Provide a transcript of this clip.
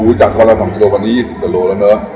จากวันละ๒กิโลกว่านี้๒๐กว่าโลแล้วเนอะ